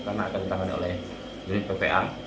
yang ditangkap oleh unit ppa